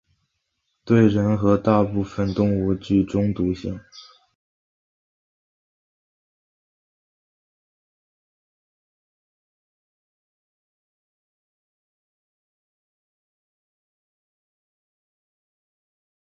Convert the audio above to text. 本鱼分布于非洲刚果河流域。